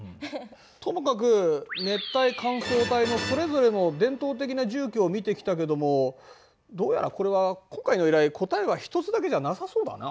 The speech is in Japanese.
ともかく熱帯乾燥帯のそれぞれの伝統的な住居を見てきたけどもどうやらこれは今回の依頼は答えは１つだけじゃなさそうだな。